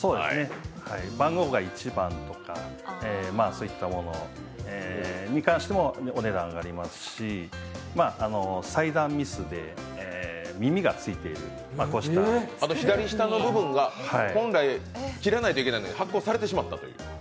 番号が１番とか、そういったものに関してもお値段上がりますし裁断ミスで耳がついている左下の部分が本来、切らないといけないのに発行されてしまったという。